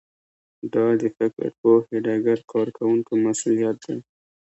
دا د فکر پوهې ډګر کارکوونکو مسوولیت دی